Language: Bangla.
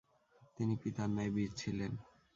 তিনি পিতার ন্যায় বীর ছিলেন।